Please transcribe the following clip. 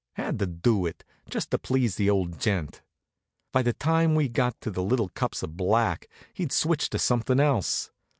Had to do it, just to please the old gent. By the time we'd got to the little cups of black he'd switched to something else.